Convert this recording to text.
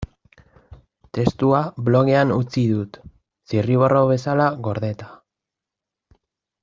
Testua blogean utzi dut, zirriborro bezala gordeta.